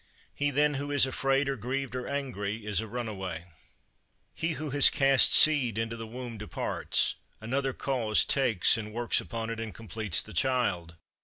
He then who is afraid or grieved or angry, is a runaway. 26. He who has cast seed into the womb departs; another cause takes and works upon it and completes the child.